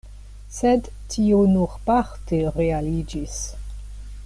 Sed tio nur parte realiĝis.